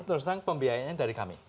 terus terang pembiayaannya dari kami